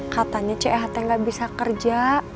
katanya ce eha tengah bisa kerja